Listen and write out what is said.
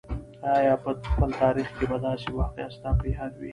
آیا په خپل تاریخ کې به داسې واقعه ستا په یاد وي.